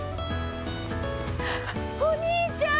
お兄ちゃん！